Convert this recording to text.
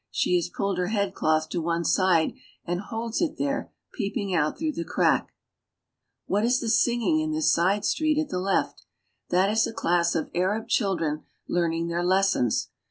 She has pulled her head cloth to one side and holds it there, peeping out throngh the crack. What is the sing ing in this side street ;at the left.' That is class of Arab chil dren learning their lessons.